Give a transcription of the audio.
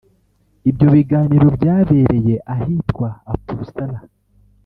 Ibyo biganiro byabereye ahitwa ’Uppsala